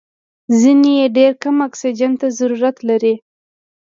ځینې یې ډېر کم اکسیجن ته ضرورت لري.